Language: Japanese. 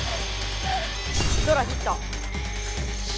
ソラヒット！